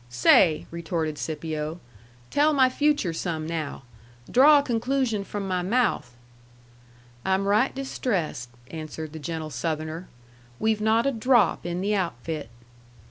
"Say," retorted Scipio, "tell my future some now. Draw a conclusion from my mouth." "I'm right distressed," answered the gentle Southerner, "we've not a drop in the outfit."